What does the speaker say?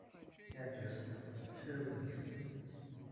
Yeɛjeb-asent aṭas usaru-nni.